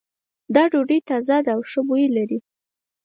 دا ډوډۍ تازه ده او ښه بوی لری